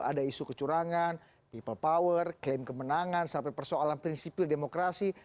ada isu kecurangan people power klaim kemenangan sampai persoalan prinsipil demokrasi